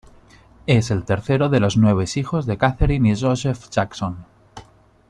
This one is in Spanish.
Es el tercero de los nueve hijos de Katherine y Joseph Jackson.